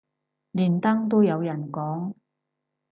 連登都有人講